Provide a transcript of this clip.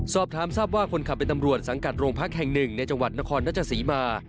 สอบถามทราบว่าคนขับเป็นตำรวจสังกัดโรงพักแห่งหนึ่งในจังหวัดนครราชศรีมา